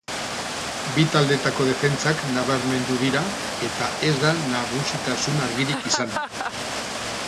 Bi taldeetako defentsak nabarmendu dira, eta ez da nagusitasun argirik izan.